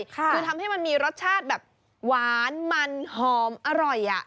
คือทำให้มันมีรสชาติแบบหวานมันหอมอร่อย